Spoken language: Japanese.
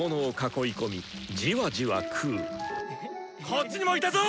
こっちにもいたぞ！